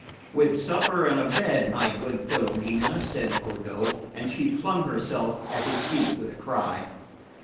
"With supper and a bed, my good Filomena," said Odo; and she flung herself at his feet with a cry.